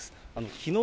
きのう